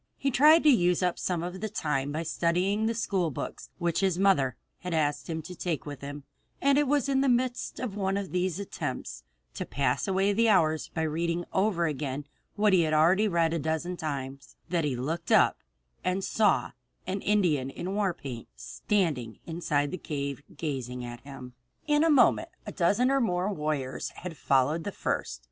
He tried to use up some of the time by studying the school books which his mother had asked him to take with him, and it was in the midst of one of these attempts to pass away the hours by reading over again what he had already read a dozen times, that he looked up and saw an Indian in war paint standing inside the cave gazing at him. [Illustration: HE LOOKED UP AND SAW INDIANS IN WAR PAINT STANDING INSIDE THE CAVE, GAZING AT HIM.] In a moment a dozen or more warriors had followed the first.